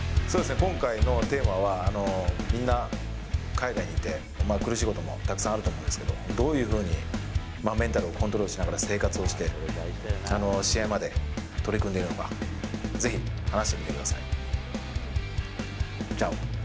今回のテーマは、みんな、海外に行って、苦しいこともたくさんあると思うんですけど、どういうふうにメンタルをコントロールしながら生活をして、試合まで取り組んでいるのか、ぜひ、話してみてください。